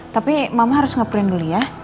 tapi mama harus nge print dulu ya